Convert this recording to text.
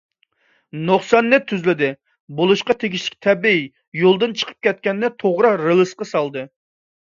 نۇقساننى تۈزلىدى، بولۇشقا تېگىشلىك تەبىئىي يولىدىن چىقىپ كەتكەننى توغرا رېلىسقا سالدى.